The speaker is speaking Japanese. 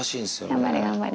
頑張れ、頑張れ。